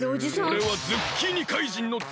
おれはズッキーニ怪人のええっ！？